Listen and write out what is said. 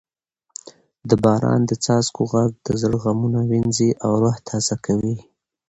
د باران د څاڅکو غږ د زړه غمونه وینځي او روح تازه کوي.